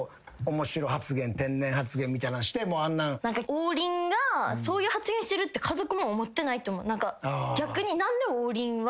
王林がそういう発言してるって家族も思ってないと思う。